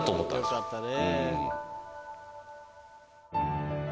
よかったね。